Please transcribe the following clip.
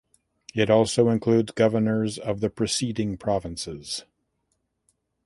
It also includes governors of the preceding provinces.